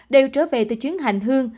đều trở về từ chuyến hành hương